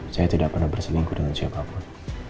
saya tidak pernah berselingkuh dengan siapapun